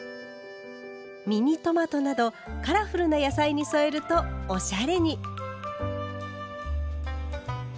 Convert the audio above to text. ミニトマトなどカラフルな野菜に添えるとおしゃれに。